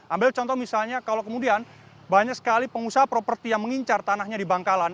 ambil contoh misalnya kalau kemudian banyak sekali pengusaha properti yang mengincar tanahnya di bangkalan